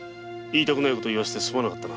言いたくない事を言わせてすまなかった。